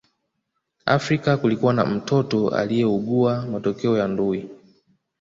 Afrika kulikuwa na mtoto aliyeugua matokeo ya ndui